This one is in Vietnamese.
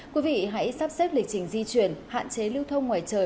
quý vị hãy sắp xếp lịch trình di chuyển hạn chế lưu thông ngoài trời